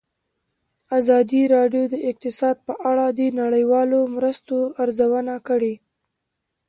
ازادي راډیو د اقتصاد په اړه د نړیوالو مرستو ارزونه کړې.